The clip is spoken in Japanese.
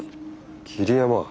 桐山！